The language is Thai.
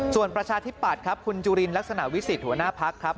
ส่วนประชาธิปัตย์ครับคุณจุลินลักษณะวิสิทธิหัวหน้าพักครับ